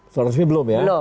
surat resmi belum ya